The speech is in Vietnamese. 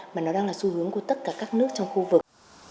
mà nó đang là xu hướng của tất cả các nước trong khu vực